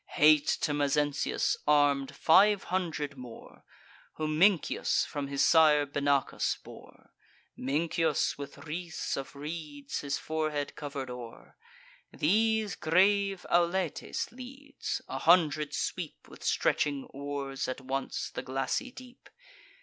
Hate to Mezentius arm'd five hundred more, Whom Mincius from his sire Benacus bore: Mincius, with wreaths of reeds his forehead cover'd o'er. These grave Auletes leads: a hundred sweep With stretching oars at once the glassy deep.